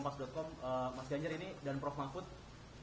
mas ganjar ini dan prof mahfud